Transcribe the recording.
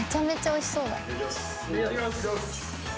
いただきます。